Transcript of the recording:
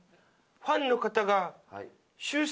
ファンの方が。